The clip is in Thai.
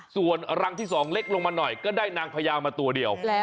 ส่วนรังที่๒เล็กลงมาหน่อยก็ได้นางพญามาตัวเดียว